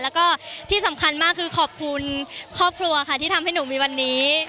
แล้วก็ที่สำคัญมากคือขอบคุณครอบครัวค่ะที่ทำให้หนูมีวันนี้